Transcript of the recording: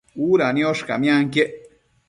Uda niosh camianquiec